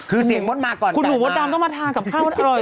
คือเสียงมดมาก่อนคุณหนุ่มมดดำต้องมาทานกับข้าวอร่อย